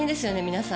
皆さん。